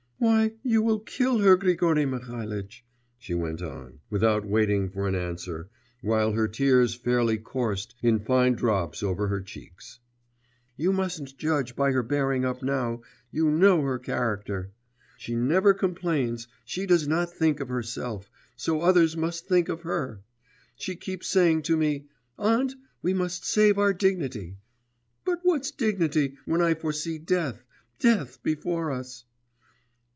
'Why, you will kill her, Grigory Mihalitch,' she went on, without waiting for an answer, while her tears fairly coursed in fine drops over her cheeks. 'You mustn't judge by her bearing up now, you know her character! She never complains; she does not think of herself, so others must think of her! She keeps saying to me, "Aunt, we must save our dignity!" but what's dignity, when I foresee death, death before us?